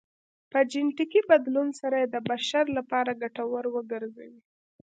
په جنیټیکي بدلون سره یې د بشر لپاره ګټور وګرځوي